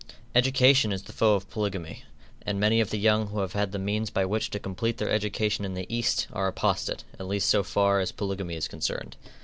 Education is the foe of polygamy, and many of the young who have had the means by which to complete their education in the East, are apostate, at least so far as polygamy is concerned.